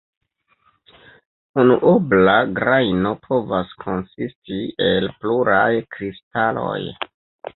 Unuobla grajno povas konsisti el pluraj kristaloj.